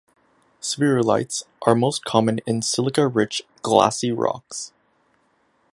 Spherulites are most common in silica-rich glassy rocks.